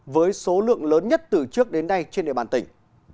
với số lượng lớn nhất từ trước đến nay trên địa bàn tỉnh